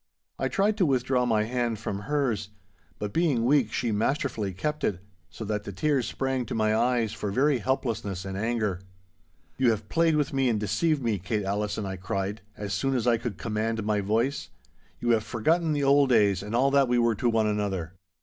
I tried to withdraw my hand from hers, but being weak she masterfully kept it, so that the tears sprang to my eyes for very helplessness and anger. 'You have played with me and deceived me, Kate Allison,' I cried, as soon as I could command my voice; 'you have forgotten the old days and all that we were to one another.